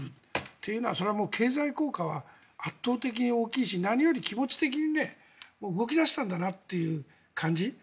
というのは経済効果は圧倒的に大きいし何より気持ち的に動き出したんだなという感じ。